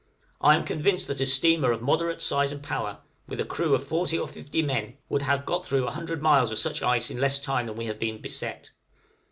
I am convinced that a steamer of moderate size and power, with a crew of forty or fifty men, would have got through a hundred miles of such ice in less time than we have been beset.